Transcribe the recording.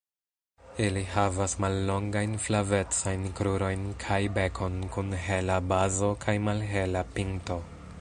Ili havas mallongajn flavecajn krurojn kaj bekon kun hela bazo kaj malhela pinto.